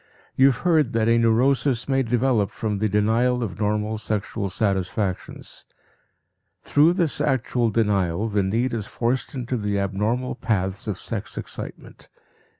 You have heard that a neurosis may develop from the denial of normal sexual satisfactions. Through this actual denial the need is forced into the abnormal paths of sex excitement.